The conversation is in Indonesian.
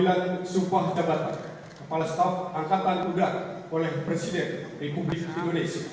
lalu kebangsaan indonesia baik